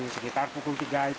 sekitar pukul tiga